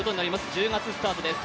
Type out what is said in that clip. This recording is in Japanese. １０月スタートです。